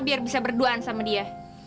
biar bisa berduaan sama dia